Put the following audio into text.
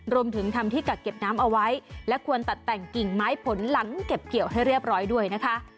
รวมถึงทำที่กักเก็บน้ำเอาไว้และควรตัดแต่งกิ่งไม้ผลหลังเก็บเกี่ยวให้เรียบร้อยด้วยนะคะ